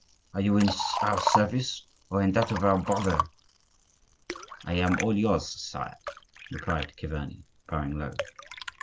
Are you in our service, or in that of our brother?" "I am all yours, sire," replied Chiverni, bowing low.